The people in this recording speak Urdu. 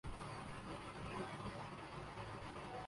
کارکن اپنے راہنما کو دیکھ کر زور زور سے ہاتھ ہلا رہے تھے۔